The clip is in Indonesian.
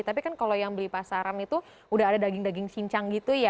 tapi kan kalau yang beli pasaran itu udah ada daging daging cincang gitu ya